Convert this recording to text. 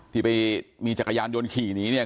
ที่ไปมีจักรยานยนต์ขี่หนีเนี่ย